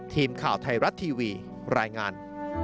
ทีมข่าวไทยรัฐทีวีรายงาน